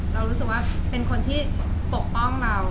เรารู้สึกว่าเป็นคนที่ปกป้องเรา